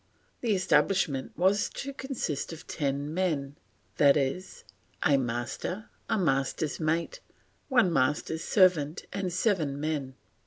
The establishment was to consist of ten men, i.e. a Master, a Master's mate, one Master's servant, and seven men.